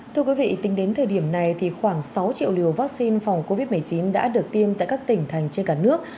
thưa quý vị tính đến thời điểm này thì khoảng sáu triệu liều vaccine phòng covid một mươi chín đã được tiêm tại các tỉnh thành trên cả nước